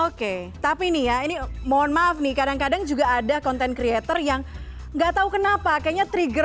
oke tapi nih ya ini mohon maaf nih kadang kadang juga ada content creator yang nggak tahu kenapa kayaknya trigger